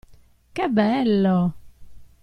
Che bello!